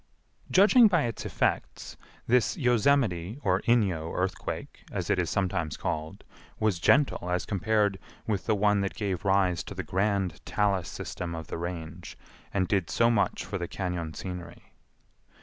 Judging by its effects, this Yosemite, or Inyo earthquake, as it is sometimes called, was gentle as compared with the one that gave rise to the grand talus system of the Range and did so much for the cañon scenery.